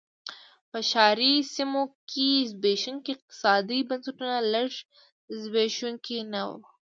په ښاري سیمو کې زبېښونکي اقتصادي بنسټونه لږ زبېښونکي نه و.